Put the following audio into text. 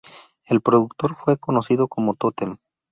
El reproductor fue conocido como Totem.